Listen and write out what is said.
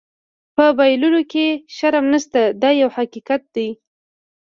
په بایللو کې شرم نشته دا یو حقیقت دی.